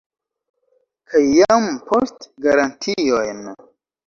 Kaj jam poste garantiojn.